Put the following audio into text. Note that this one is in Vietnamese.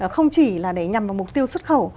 không chỉ là để nhằm vào mục tiêu xuất khẩu